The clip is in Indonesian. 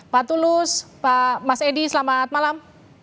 pak tulus pak mas edi selamat malam